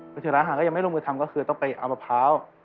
ไปถึงร้านอาหารก็ยังไม่ลงมือทำก็คือต้องไปเอามะพร้าว